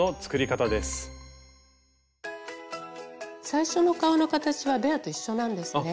最初の顔の形はベアと一緒なんですね。